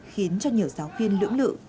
khiến cho nhiều giáo viên lưỡng lự